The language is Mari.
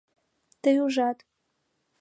Тый ужат